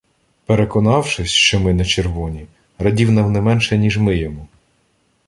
Переконавшись, що ми не червоні, радів нам не менше, ніж ми йому.